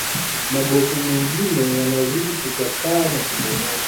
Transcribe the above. magofu mengine yanazidi kuchakaa na kubomoka